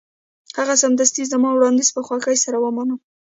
هغه سمدستي زما وړاندیز په خوښۍ سره ومانه